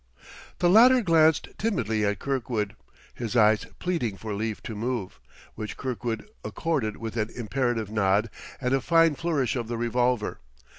The latter glanced timidly at Kirkwood, his eyes pleading for leave to move; which Kirkwood accorded with an imperative nod and a fine flourish of the revolver.